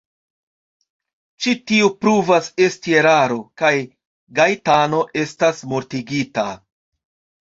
Ĉi tio pruvas esti eraro, kaj Gaetano estas mortigita.